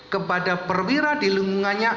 kepada perwira di lingkungannya